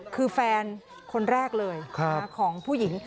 คือแฟนคนแรกเลยของผู้หญิง